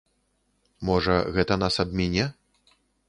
Можа, гэта нас абміне?